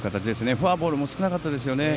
フォアボールも少なかったですね。